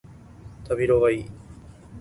旅路がいい